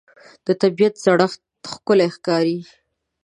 د طبیعت زړښت ښکلی ښکاري